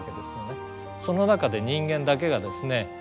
その中で人間だけがですね